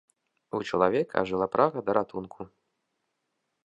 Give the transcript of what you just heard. У чалавека ажыла прага да ратунку.